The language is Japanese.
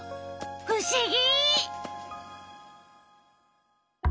ふしぎ！